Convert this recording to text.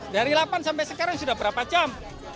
dari delapan sampai sekarang sudah berapa jam